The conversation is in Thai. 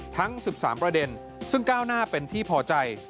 ทั้ง๑๓ประเด็นซึ่งก้าวหน้าเป็นที่พอใจ